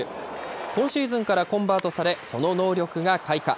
今シーズンからコンバートされ、その能力が開花。